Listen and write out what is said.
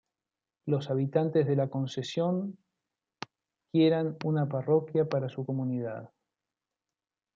Los habitantes de la concesión quieran una parroquia para su comunidad.